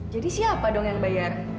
jadi siapa dong yang bayar